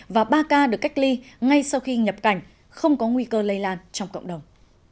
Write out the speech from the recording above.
và ba ca được cách ly ngay sau khi nhập cảnh không có nguy cơ lây lan trong cộng đồng